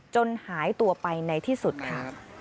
จนหายตัวไปในที่สุดค่ะ